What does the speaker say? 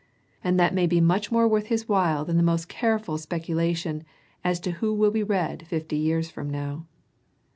And that may be much more worth his while than the most careful specula tion as to who will be read fifty years from now.